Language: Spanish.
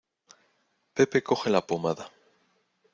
Pepe coge la pomada.